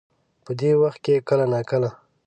په دې وخت کې کله نا کله